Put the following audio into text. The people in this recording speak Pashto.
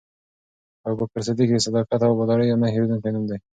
ابوبکر صدیق د صداقت او وفادارۍ یو نه هېرېدونکی نوم دی.